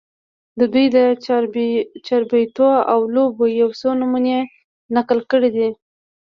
د دوي د چاربېتواو لوبو يو څو نمونې نقل کړي دي